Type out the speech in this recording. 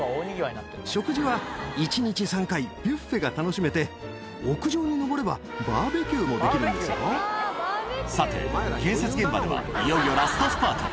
食事は１日３回、ビュッフェが楽しめて、屋上に上れば、バーベキさて、建設現場ではいよいよラストスパート。